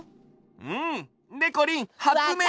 うんでこりんはつめい。